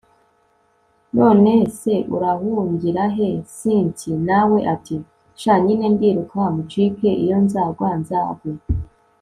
nonese urahungirahe cynti! nawe ati sha nyine ndiruka mucike, iyo nzagwa nzagwe